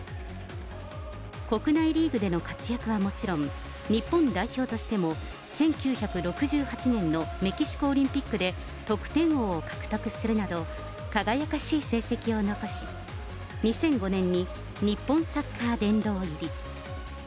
国内リーグでの活躍はもちろん、日本代表としても１９６８年のメキシコオリンピックで得点王を獲得するなど、輝かしい成績を残し、２００５年に日本サッカー殿堂入り。